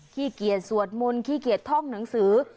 ขี้เกียจสวดมนต์ขี้เกียจท่องหนังสือ